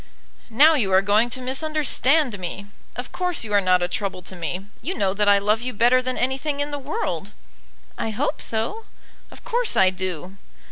"Now you are going to misunderstand me! Of course, you are not a trouble to me. You know that I love you better than anything in the world." "I hope so." "Of course I do."